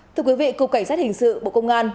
thưa quý vị cục cảnh sát hình sự bộ công an